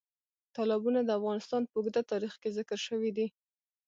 تالابونه د افغانستان په اوږده تاریخ کې ذکر شوي دي.